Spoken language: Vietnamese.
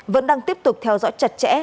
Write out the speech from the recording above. vẫn đang tiếp tục theo dõi chặt chẽ